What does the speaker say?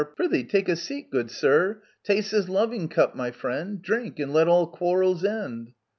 51 " Prithee, take a seat, good sir ! Taste this loving cup, my friend ! Drink, and let all quarrels end